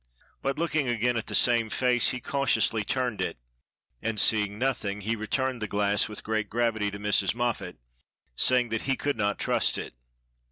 But looking again at the same face, he cautiously turned it, and seeing nothing, he returned the glass with great gravity to Mrs. Moffat, saying that he could not trust it.